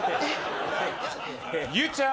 ゆうちゃん。